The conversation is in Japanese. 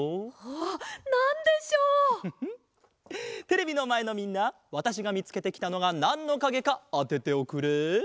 テレビのまえのみんなわたしがみつけてきたのがなんのかげかあてておくれ。